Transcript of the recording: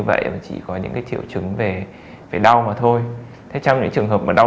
vậy mà chỉ có những triệu chứng về đau mà thôi thế trong những trường hợp mà đau